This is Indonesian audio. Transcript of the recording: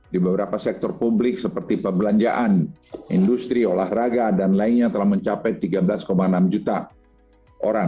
di beberapa sektor publik seperti pembelanjaan industri olahraga dan lainnya telah mencapai tiga belas enam juta orang